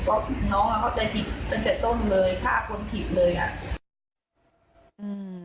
เพราะน้องอ่ะเข้าใจผิดตั้งแต่ต้นเลยฆ่าคนผิดเลยอ่ะอืม